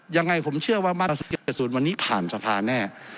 ยังไงผมเชื่อว่ามาตรา๑๗๘๐วันนี้ผ่านสภาแน่